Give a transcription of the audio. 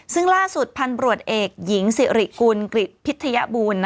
ซึ่งล่าสุดพันธุ์ตำรวจเอกหญิงสิริกุลกริจพิทยบูรณ์